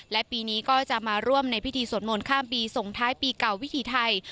และปีนี้ก็จะมาร่วมในพิธีสวดมนต์ข้ามปีส่งท้ายปีเก่าวิถีไทย